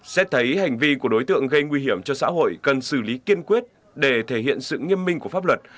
xét thấy hành vi của đối tượng gây nguy hiểm cho xã hội cần xử lý kiên quyết để thể hiện sự nghiêm minh của pháp luật